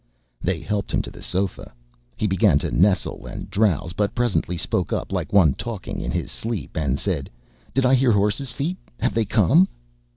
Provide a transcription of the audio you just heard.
They helped him to the sofa. He began to nestle and drowse, but presently spoke like one talking in his sleep, and said: "Did I hear horses' feet? Have they come?"